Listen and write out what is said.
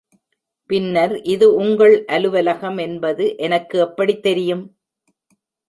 பின்னர் இது உங்கள் அலுவலகம் என்பது எனக்கு எப்படித் தெரியும்?